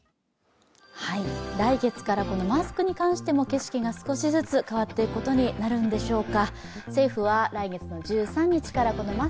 来月からマスクに関しても景色が少しずつ変わっていくことになるんでしょうか。